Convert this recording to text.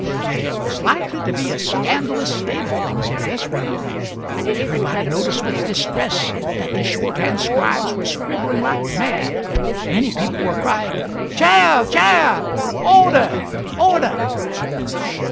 There was likely to be a scandalous state of things if this went on; everybody noticed with distress that the shorthand scribes were scribbling like mad; many people were crying "Chair, chair! Order! order!"